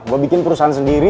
gue bikin perusahaan sendiri